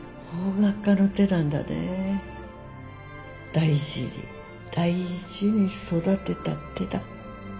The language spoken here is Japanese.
大事に大事に育てた手だ。